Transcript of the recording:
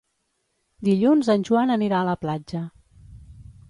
Dilluns en Joan anirà a la platja.